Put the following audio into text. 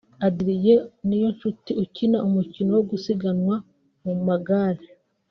Adrien Niyonshuti ukina umukino wo gusiganwa ku magare